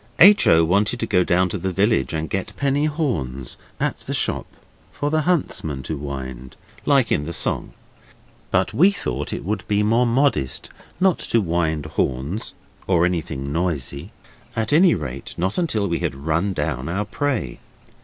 H. O. wanted to go down to the village and get penny horns at the shop for the huntsmen to wind, like in the song, but we thought it would be more modest not to wind horns or anything noisy, at any rate not until we had run down our prey.